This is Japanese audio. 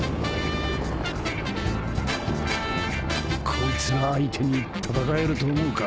こいつら相手に戦えると思うか？